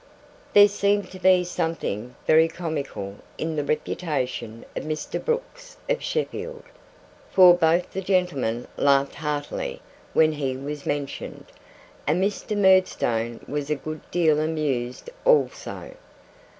There seemed to be something very comical in the reputation of Mr. Brooks of Sheffield, for both the gentlemen laughed heartily when he was mentioned, and Mr. Murdstone was a good deal amused also.